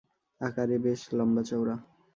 আকারে বেশ লম্বা-চওড়া।